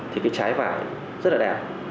thì cái trái vải rất là đẹp